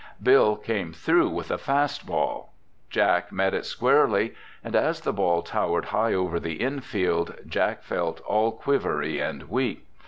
Bill came though with a fast ball. Jack met it squarely and as the ball towered high over the infield, Jack felt all quivery and weak.